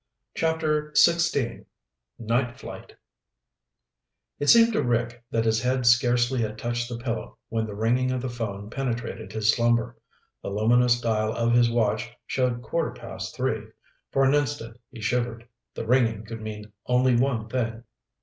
CHAPTER XVI Night Flight It seemed to Rick that his head scarcely had touched the pillow when the ringing of the phone penetrated his slumber. The luminous dial of his watch showed quarter past three. For an instant he shivered. The ringing could mean only one thing.